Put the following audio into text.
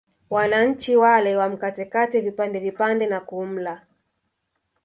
Wananchi wale wamkatekate vipande vipande na kumla